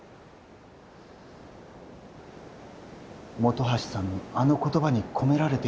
本橋さんのあの言葉に込められていたものが。